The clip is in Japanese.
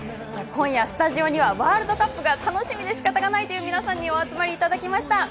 今夜スタジオにはワールドカップ楽しみでしかたがないという皆さんにお集まりいただきました。